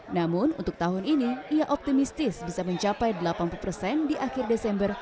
namun untuk tahun ini ia optimistis bisa mencapai delapan puluh persen di akhir desember